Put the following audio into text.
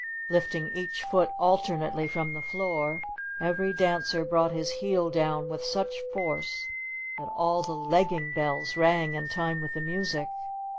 Lifting each foot alternately from the floor, every dancer brought his heel down with such force that all the legging bells rang in time with the music.